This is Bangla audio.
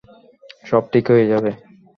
সব ঠিক হয়ে যাবে!